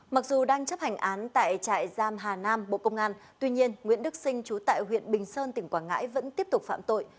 mặc dù đang chấp hành án tại trại giam hà nam bộ công an tuy nhiên nguyễn đức sinh trú tại huyện bình sơn tỉnh quảng ngãi vẫn tiếp tục phạm tội